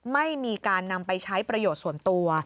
ไม่มีการนำไปใช้ประโยชน์ส่วนตัว